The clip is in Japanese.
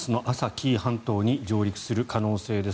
紀伊半島に上陸する可能性です。